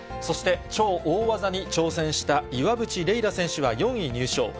そして超大技に挑戦した岩渕麗楽選手は４位入賞。